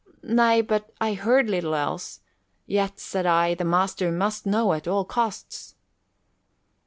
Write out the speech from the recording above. "Nay, but I heard little else. Yet, said I, the master must know at all costs."